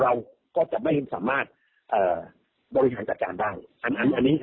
เราก็จะไม่สามารถบริหารจัดการบ้าง